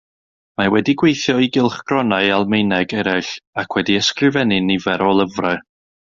Mae wedi gweithio i gylchgronau Almaeneg eraill ac wedi ysgrifennu nifer o lyfrau.